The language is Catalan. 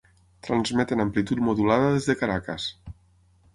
Transmet en Amplitud Modulada des de Caracas.